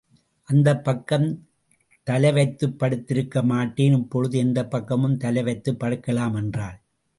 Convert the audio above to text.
அந்தப் பக்கம் தலைவைத்துப் படுத்திருக்க மாட்டேன். இப்பொழுது எந்தப் பக்கமும் தலைவைத்துப் படுக்கலாம் என்றாள்.